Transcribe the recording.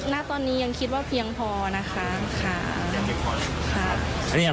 ณตอนนี้ยังคิดว่าเพียงพอนะคะค่ะ